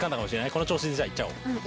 この調子でじゃいっちゃおう。